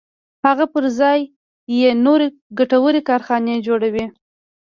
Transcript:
هغه پر ځای یې نورې ګټورې کارخانې جوړوي